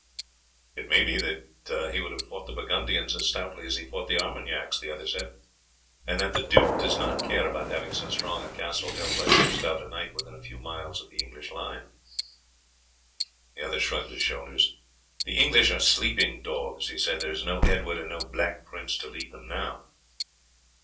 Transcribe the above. "It may be that he would have fought the Burgundians as stoutly as he fought the Armagnacs," the other said, "and that the duke does not care about having so strong a castle held by so stout a knight within a few miles of the English line." The other shrugged his shoulders. "The English are sleeping dogs," he said; "there is no Edward and no Black Prince to lead them now."